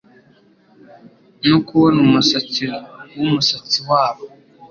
no kubona umusatsi wumusatsi wabo